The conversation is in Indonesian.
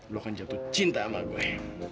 lo akan jatuh cinta sama gue